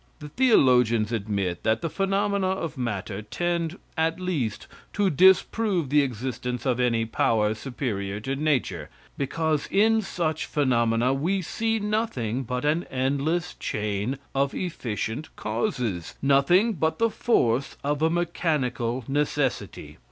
The theologians admit that the phenomena of matter tend, at least, to disprove the existence of any power superior to nature, because in such phenomena we see nothing but an endless chain of efficient causes nothing but the force of a mechanical necessity.